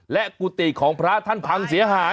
และกุฏิของพระท่านพังเสียหาย